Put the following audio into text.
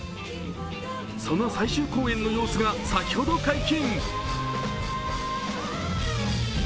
その最終公演の様子が先ほど解禁。